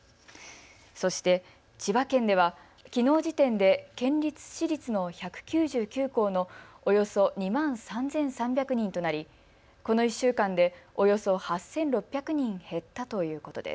そして千葉県ではきのう時点で県立私立の１９９校のおよそ２万３３００人となりこの１週間で、およそ８６００人減ったということです。